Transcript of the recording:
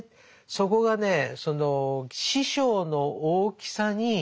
そこがねその師匠の大きさに。